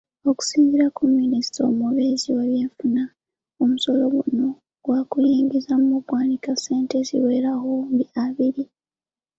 Okusinziira ku Minisita omubeezi ow'ebyenfuna, omusolo guno gwakuyingiza mu ggwanika ssente eziwera obuwumbi abiri.